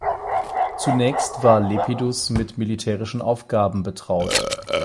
Zunächst war Lepidus mit militärischen Aufgaben betraut.